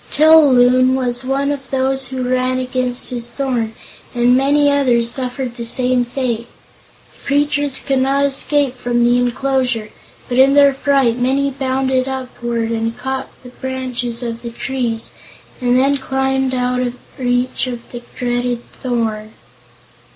Til Loon was one of those who ran against his thorn and many others suffered the same fate. The creatures could not escape from the enclosure, but in their fright many bounded upward and caught branches of the trees, and then climbed out of reach of the dreaded thorn.